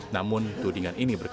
namun tudingan ini berkata